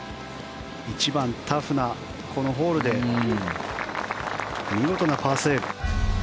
１番、タフなこのホールで見事なパーセーブ。